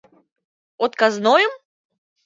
Отказнойым?